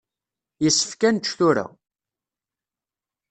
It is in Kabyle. Yessefk ad nečč tura.